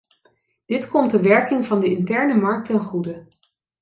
Dit komt de werking van de interne markt ten goede.